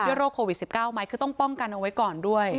โรคโควิด๑๙ไหมคือต้องป้องกันเอาไว้ก่อนด้วย